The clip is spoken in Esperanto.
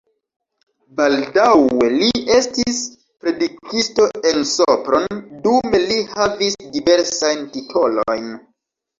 Baldaŭe li estis predikisto en Sopron, dume li havis diversajn titolojn.